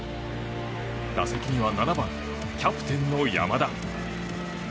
打席には７番、キャプテンの山田。